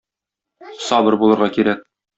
Сабыр булырга кирәк.